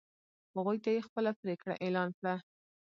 هغوی ته یې خپله پرېکړه اعلان کړه.